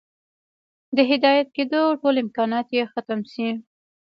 د هدايت كېدو ټول امكانات ئې ختم شي